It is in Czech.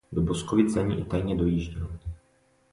Do Boskovic za ní i tajně dojížděl.